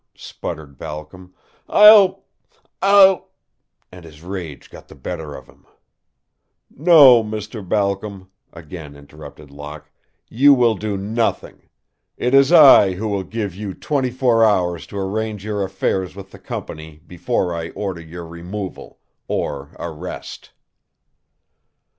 sputtered Balcom. "I'll I'll " And his rage got the better of him. "No, Mr. Balcom," again interrupted Locke, "you will do nothing. It is I who will give you twenty four hours to arrange your affairs with the company before I order your removal or arrest."